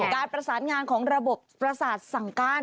การประสานงานของระบบประสาทสั่งการ